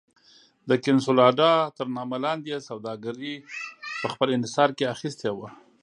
د کنسولاډا تر نامه لاندې یې سوداګري په خپل انحصار کې اخیستې وه.